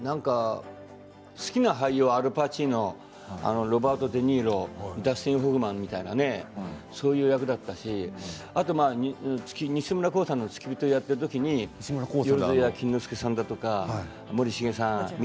好きな俳優はアル・パチーノ、ロバート・デ・ニーロダスティン・ホフマンそういう感じだったし西村晃さんの付き人をやっている時に萬屋錦之介さんとか森繁さん